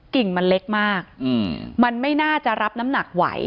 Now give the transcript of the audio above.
กิ่งมันเล็กมากมันไม่น่าจะรับน้ำหนักไหว